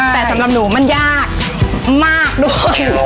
แต่สำหรับหนูมันยากมากด้วย